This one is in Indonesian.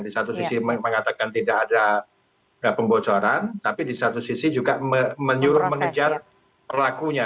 di satu sisi mengatakan tidak ada pembocoran tapi di satu sisi juga menyuruh mengejar pelakunya